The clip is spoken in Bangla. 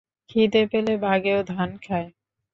খিদে পেলে বাঘেও ধান খায়।